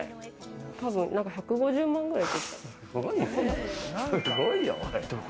多分１５０万くらい。